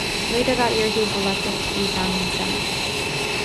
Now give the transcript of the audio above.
Later that year he was elected to the Italian Senate.